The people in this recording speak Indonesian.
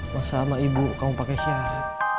masa sama ibu kamu pakai syarat